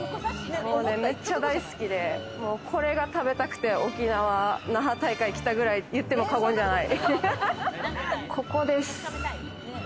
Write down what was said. めっちゃ大好きで、これが食べたくて、沖縄那覇大会に来たくらいと言っても過言じゃない。